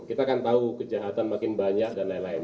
kita kan tahu kejahatan makin banyak dan lain lain